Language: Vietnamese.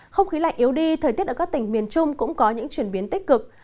không khí lạnh yếu đi thời tiết ở các tỉnh miền trung cũng có những chuyển biến tích cực